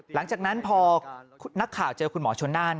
หลังจากนั้นพอนักข่าวเจอคุณหมอชนน่าน